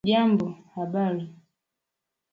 Jambo ! habari?